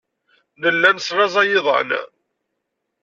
Nella neslaẓay iḍan.